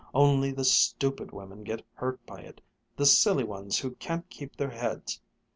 Only the stupid women get hurt by it the silly ones who can't keep their heads.